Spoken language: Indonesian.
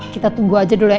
kita tunggu aja dulu ya